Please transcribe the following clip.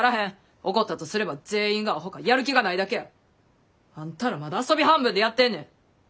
起こったとすれば全員がアホかやる気がないだけや。あんたらまだ遊び半分でやってんねん。